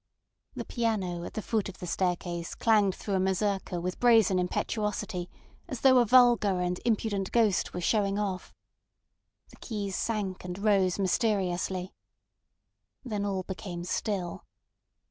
The piano at the foot of the staircase clanged through a mazurka with brazen impetuosity, as though a vulgar and impudent ghost were showing off. The keys sank and rose mysteriously. Then all became still.